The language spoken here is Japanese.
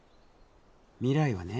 未来はね